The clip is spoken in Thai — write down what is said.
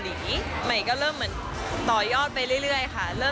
แล้วก็เหมือนเพิ่งปล่อยออกมาปล่อยรูปออกมาค่ะ